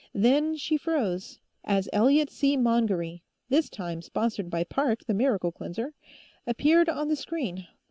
Then she froze, as Elliot C. Mongery this time sponsored by Parc, the Miracle Cleanser appeared on the screen.